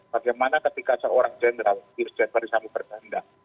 bagaimana ketika seorang jenderal disambung berkendang